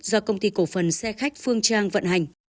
do công ty cổ phần xe khách phương trang vận hành